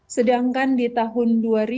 sedangkan di tahun dua ribu dua puluh dua